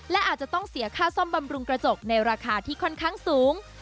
และอาจจะต้องเสียค่าซ่อมบำรุงกระจกในราคาที่ค่อนข้างสูง